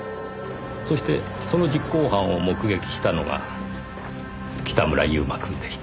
そしてその実行犯を目撃したのが北村悠馬くんでした。